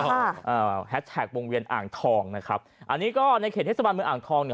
อ่าแฮชแท็กวงเวียนอ่างทองนะครับอันนี้ก็ในเขตเทศบาลเมืองอ่างทองเนี่ย